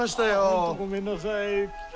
本当ごめんなさい。